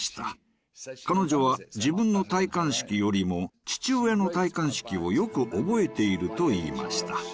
彼女は自分の戴冠式よりも父親の戴冠式をよく覚えていると言いました。